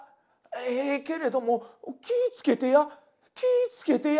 「ええけれども気ぃつけてや気ぃつけてや」。